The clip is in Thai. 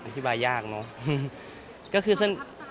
อธิบายยากเนอะ